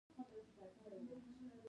افغانستان په زراعت غني دی.